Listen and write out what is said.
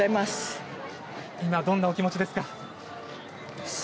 今どんなお気持ちですか？